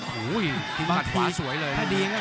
พวกนี้ก็ชอบทำศึกจริงเดี๋ยว